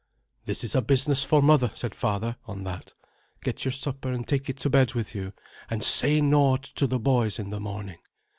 "This is a business for mother," said my father, on that; "get your supper, and take it to bed with you, and say naught to the boys in the morning.